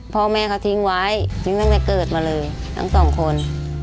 พ่อแม่เขาทิ้งไว้ทิ้งตั้งแต่เกิดมาเลยทั้งสองคน